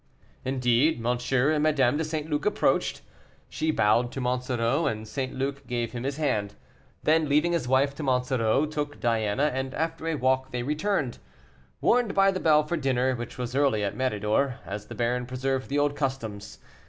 Indeed, M. and Madame de St. Luc approached. She bowed to Monsoreau, and St. Luc gave him his hand; then, leaving his wife to Monsoreau, took Diana, and after a walk they returned, warned by the bell for dinner, which was early at Méridor, as the baron preserved the old customs.